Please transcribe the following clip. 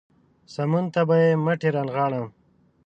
سمون ته به يې مټې رانغاړم.